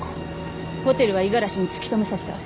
ホテルは五十嵐に突き止めさせてある。